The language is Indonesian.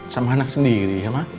sama anak sendiri ya mak